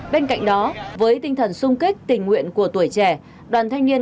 bên cạnh đó với tinh thần sung kích tình nguyện của tuổi trẻ